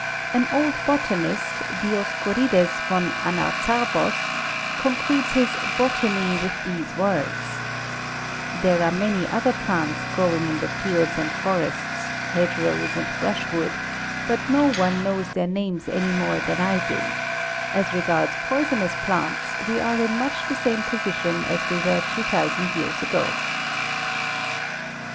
An old botanist, Dioscorides von Anazarbos, concludes his '"' Botany" with these words "There are many other plants growing in the fields — and forests, hedgerows and brushwood, but no one knows their names any more than I do; as regards poisonous plants we are in much the same position as we were 2000 years ago."